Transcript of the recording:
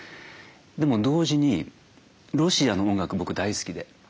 でも同時にロシアの音楽も僕大好きで。